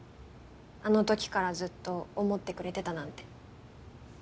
あの時からずっと想ってくれてたなんて。